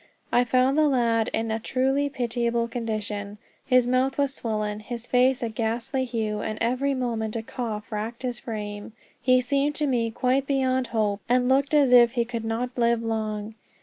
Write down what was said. I found the lad in a truly pitiable condition. His mouth was swollen, his face a ghastly hue, and every moment a cough racked his frame. He seemed to me quite beyond hope, and looked as if he could not live long.